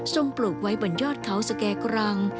ทรงปลูกไว้บรรยาทเขาสแก่กรัง